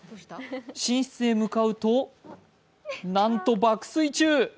寝室へ向かうと、なんと爆睡中。